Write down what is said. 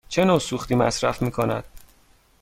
چه نوع سوختی مصرف می کند؟